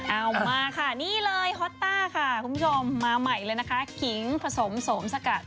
เอามาค่ะนี่เลยฮอตต้าค่ะคุณผู้ชมมาใหม่เลยนะคะขิงผสมสวมสกัด